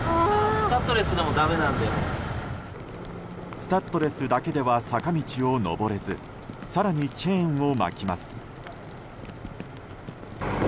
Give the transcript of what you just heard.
スタッドレスだけでは坂道を上れず更にチェーンを巻きます。